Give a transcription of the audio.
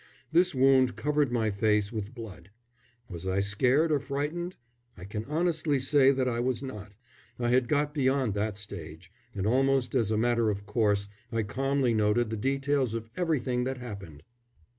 This wound covered my face with blood. Was I scared or frightened? I can honestly say that I was not. I had got beyond that stage, and almost as a matter of course I calmly noted the details of everything that happened.